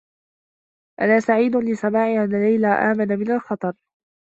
أنا سعيد لسماع أنّ ليلى آمن من الخطر.